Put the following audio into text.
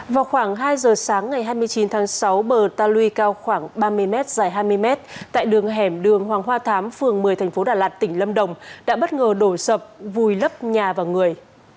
vào khoảng hai giờ sáng ngày hai mươi chín tháng sáu bờ ta lui cao khoảng ba mươi m dài hai mươi m tại đường hẻm đường hoàng hoa thám phường một mươi tp đà lạt tỉnh lâm đồng đã bất ngờ đổ sập vùi lấp nhà và người